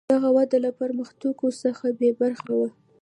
دغه وده له پرمختګونو څخه بې برخې وه.